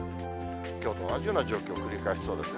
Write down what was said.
きょうと同じような状況を繰り返しそうですね。